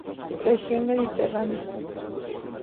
Región Mediterránea.